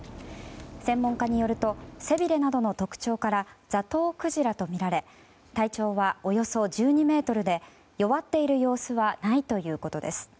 専門家によると、背びれなどの特徴からザトウクジラとみられ体長はおよそ１２ｍで弱っている様子はないということです。